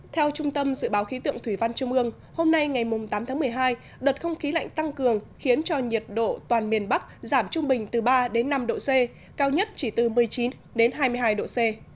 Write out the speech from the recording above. theo trung tâm dự báo khí tượng thủy văn trung ương hôm nay ngày tám tháng một mươi hai đợt không khí lạnh tăng cường khiến cho nhiệt độ toàn miền bắc giảm trung bình từ ba đến năm độ c cao nhất chỉ từ một mươi chín đến hai mươi hai độ c